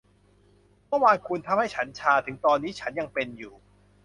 เมื่อวานคุณทำให้ฉันชา ถึงตอนนี้ฉันยังเป็นอยู่